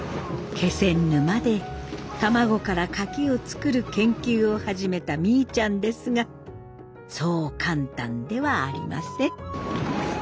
気仙沼で卵からカキを作る研究を始めたみーちゃんですがそう簡単ではありません。